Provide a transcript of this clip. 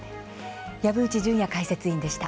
籔内潤也解説委員でした。